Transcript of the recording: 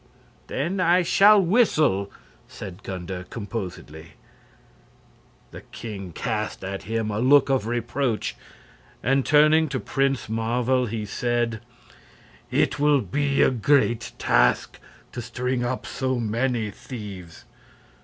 "Then I shall whistle," said Gunder, composedly. The king cast at him a look of reproach, and turning to Prince Marvel he said: "It will be a great task to string up so many thieves.